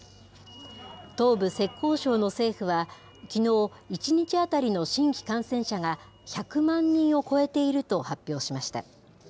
東部、浙江省の政府はきのう、１日当たりの新規感染者が１００万人を超えていると発表しました。